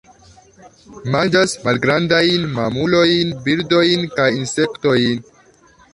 Manĝas malgrandajn mamulojn, birdojn kaj insektojn.